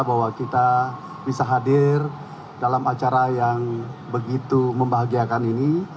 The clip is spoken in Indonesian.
bahwa kita bisa hadir dalam acara yang begitu membahagiakan ini